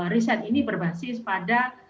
riset ini berbasis pada